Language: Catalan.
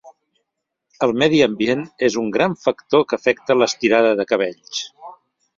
El medi ambient és un gran factor que afecta l'estirada de cabells.